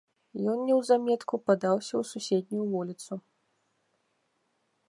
Ён неўзаметку падаўся ў суседнюю вуліцу.